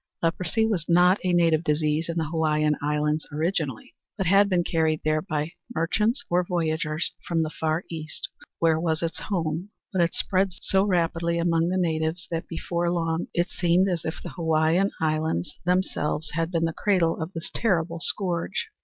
Leprosy was not a native disease in the Hawaiian Islands originally, but had been carried there by merchants or voyagers from the Far East where was its home, but it spread so rapidly among the natives that before long it seemed as if the Hawaiian Islands themselves had been the cradle of this terrible scourge.